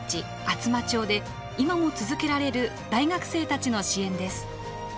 厚真町で今も続けられる大学生たちの支援です。